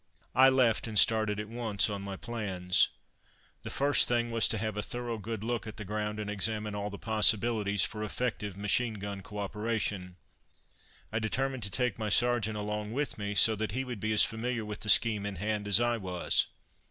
I left, and started at once on my plans. The first thing was to have a thorough good look at the ground, and examine all the possibilities for effective machine gun co operation. I determined to take my sergeant along with me, so that he would be as familiar with the scheme in hand as I was.